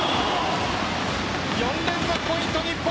４連続ポイント、日本。